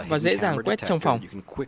và dễ dàng quét trong phòng